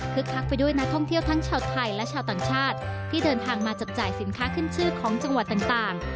คักไปด้วยนักท่องเที่ยวทั้งชาวไทยและชาวต่างชาติที่เดินทางมาจับจ่ายสินค้าขึ้นชื่อของจังหวัดต่าง